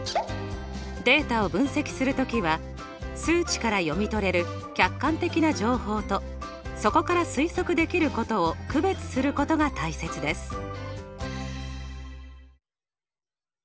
データを分析する時は数値から読み取れる客観的な情報とそこから推測できることを区別することが大切です。